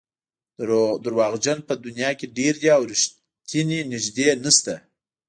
دروغجن په دنیا کې ډېر دي او رښتیني نژدې نشته.